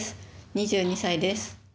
２２歳です。